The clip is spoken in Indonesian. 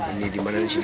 ini dimana disini